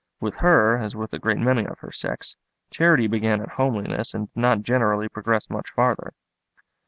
With her, as with a great many of her sex, charity began at homeliness and did not generally progress much farther.